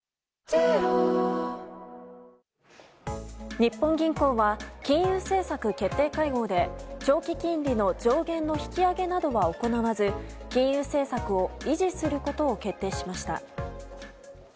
日本銀行は金融政策決定会合で長期金利の上限の引き上げなどは行わず金融政策を維持することを決定しました。